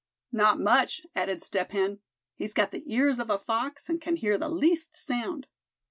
"Not much," added Step Hen. "He's got the ears of a fox, and can hear the least sound."